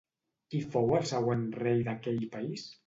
Qui fou el següent rei d'aquell país?